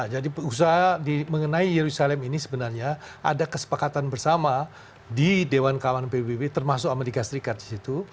jadi usaha mengenai yerusalem ini sebenarnya ada kesepakatan bersama di dewan kawan pbb termasuk amerika serikat disitu